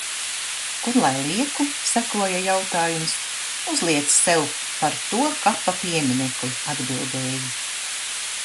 "Kur lai lieku?" sekoja jautājums. "Uzliec sev par to kapa pieminekli," atbildēju.